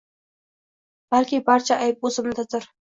Balki barcha ayb o`zimdadir